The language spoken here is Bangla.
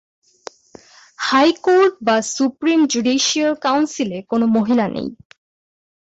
হাইকোর্ট বা সুপ্রিম জুডিশিয়াল কাউন্সিলে কোনও মহিলা নেই।